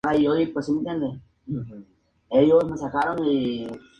Una semana más tarde de local conseguiría mantener la categoría tras empatar.